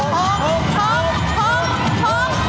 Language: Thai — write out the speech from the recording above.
กำแหน่งที่๒